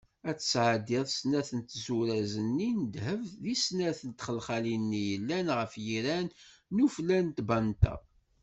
Ad tesɛeddiḍ snat n tzuraz-nni n ddheb di snat n txelxalin-nni yellan ɣef yiran n ufella n tbanta.